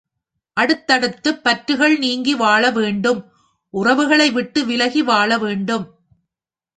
அடுத்தடுத்துப் பற்றுகள் நீங்கி வாழவேண்டும் உறவுகளைவிட்டு விலகி வாழவேண்டும்.